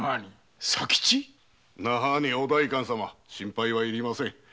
お代官様心配は要りません。